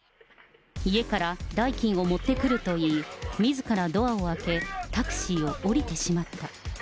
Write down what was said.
家から代金を持ってくるといい、みずからドアを開け、タクシーを降りてしまった。